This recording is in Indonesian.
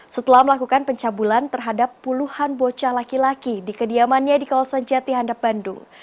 setelah melakukan pencabulan terhadap puluhan bocah laki laki di kediamannya di kawasan jati handap bandung